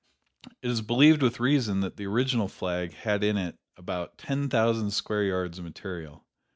It is believed, with reason, that the original flag had in it about ten thousand square yards of material.